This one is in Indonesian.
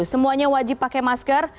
semuanya wajib pakai masker